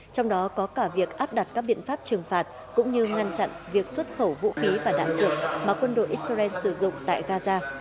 trong đó có cả việc áp đặt các biện pháp trừng phạt cũng như ngăn chặn việc xuất khẩu vũ khí và đạn dược mà quân đội israel sử dụng tại gaza